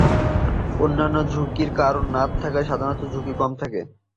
অন্যান্য ঝুঁকির কারণ না থাকলে সাধারণত ঝুঁকি কম থাকে।